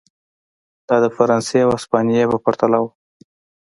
دا د فرانسې او هسپانیې په پرتله و.